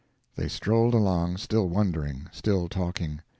They strolled along, still wondering, still talking.